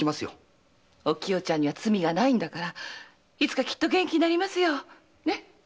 お清ちゃんには罪はないんだからいつかきっと元気になりますよ。